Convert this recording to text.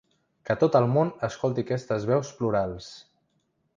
Que tot el món escolti aquestes veus plurals.